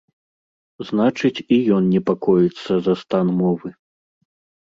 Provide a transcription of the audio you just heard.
Значыць і ён непакоіцца за стан мовы.